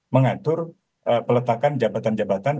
mengatur peletakan jabatan jabatan